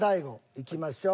いきましょう。